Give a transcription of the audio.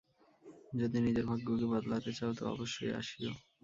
যদি নিজের ভাগ্য কে বদলাতে চাও, তো অবশ্যই আসিও।